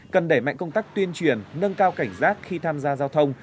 cần đẩy mạnh công tác tuyên truyền nâng cao cảnh giác khi tham gia giao thông